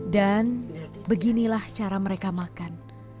dan beginilah cara mereka makan